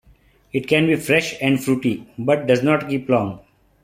It can be fresh and fruity, but does not keep long.